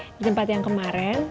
oke jempat yang kemarin